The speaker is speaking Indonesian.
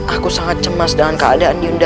aku sangat sedih